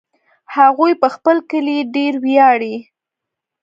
هغوی په خپل کلي ډېر ویاړي